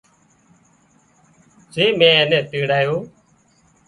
زي مين اين نين تيڙايو